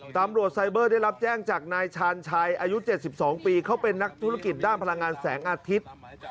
ตำรวจไซเบอร์ได้รับแจ้งจากนายชาญชัยอายุ๗๒ปีเขาเป็นนักธุรกิจด้านพลังงานแสงอาทิตย์